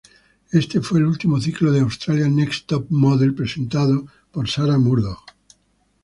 Este fue el último ciclo de "Australia's Next Top Model" presentado por Sarah Murdoch.